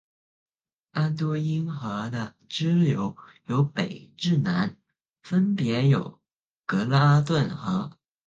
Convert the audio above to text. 安都因河的支流由北至南分别有格拉顿河。